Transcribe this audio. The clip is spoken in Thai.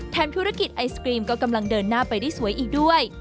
ธุรกิจไอศกรีมก็กำลังเดินหน้าไปได้สวยอีกด้วย